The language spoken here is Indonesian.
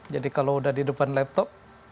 jadi kalau sudah di depan laptop